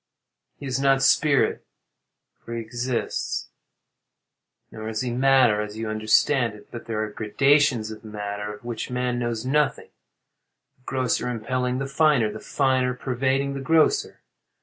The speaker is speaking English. _] He is not spirit, for he exists. Nor is he matter, as you understand it. But there are gradations of matter of which man knows nothing; the grosser impelling the finer, the finer pervading the grosser.